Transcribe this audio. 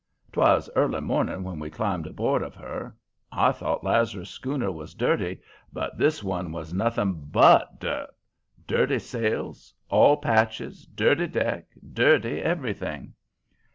"'Twas early morning when we climbed aboard of her. I thought Lazarus' schooner was dirty, but this one was nothing BUT dirt. Dirty sails, all patches, dirty deck, dirty everything.